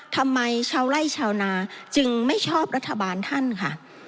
ทำไมชาวไล่ชาวนาจึงไม่ชอบรัฐบาลท่านค่ะ